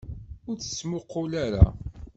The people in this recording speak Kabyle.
Ur tt-ttmuqqul ara!